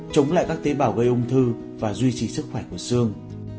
chống lại các tế bào gây ung thư và duy trì sức khỏe của xương